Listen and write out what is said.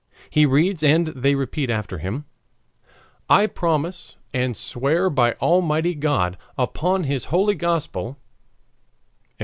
He reads and they repeat after him: "I promise and swear by Almighty God upon his holy Gospel," etc.